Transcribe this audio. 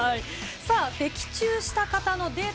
さあ、的中した方のデータ